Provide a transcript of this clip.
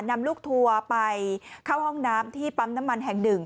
นำลูกทัวร์ไปเข้าห้องน้ำที่ปั๊มน้ำมันแห่งหนึ่ง